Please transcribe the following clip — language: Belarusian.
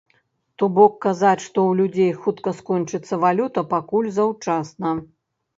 То бок, казаць, што ў людзей хутка скончыцца валюта, пакуль заўчасна.